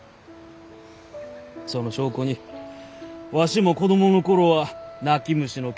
その証拠にわしも子供の頃は泣き虫の毛虫じゃったがよ。